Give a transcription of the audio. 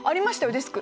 デスク。